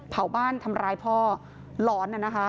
เผ่าบ้านทำลายพ่อหลอนน่ะนะคะ